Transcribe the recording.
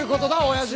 親父！